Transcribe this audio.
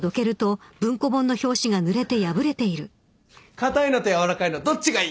硬いのと軟らかいのどっちがいい？